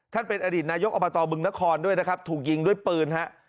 ท่านเป็นอดีตนายกอบตบึงนครด้วยนะครับถูกยิงด้วยปืนฮะ